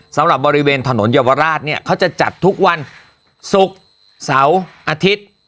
สำหรับบริเวณถนนเยาวราชเนี่ยเขาจะจัดทุกวันศุกร์เสาร์อาทิตย์